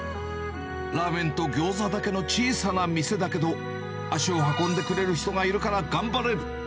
ラーメンとギョーザだけの小さな店だけど、足を運んでくれる人がいるから頑張れる。